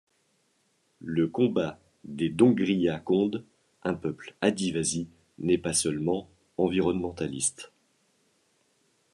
Le combat des Dongria Kondh, un peuple adivasi, n’est pas seulement environnementaliste.